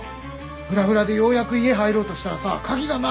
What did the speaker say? フラフラでようやく家入ろうとしたらさ鍵がない！